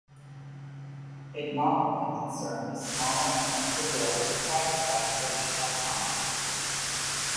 It nominally concerned a small amendment to the bill to privatise British Telecom.